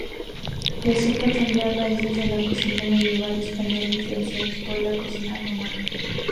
La sopa tendría raíces de la cocina medieval española influenciadas por la cocina romana.